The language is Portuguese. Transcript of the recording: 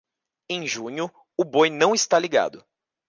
Em junho, o boi não está ligado.